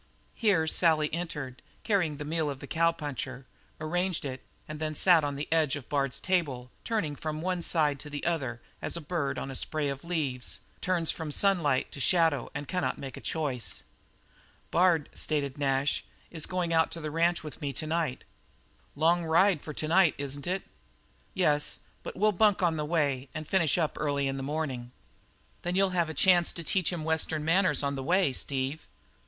Here Sally entered, carrying the meal of the cowpuncher, arranged it, and then sat on the edge of Bard's table, turning from one to the other as a bird on a spray of leaves turns from sunlight to shadow and cannot make a choice. "Bard," stated Nash, "is going out to the ranch with me to night." "Long ride for to night, isn't it?" "Yes, but we'll bunk on the way and finish up early in the morning." "Then you'll have a chance to teach him Western manners on the way, Steve."